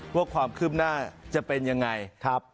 ว่าความคืบหน้าจะเป็นยังไงครับ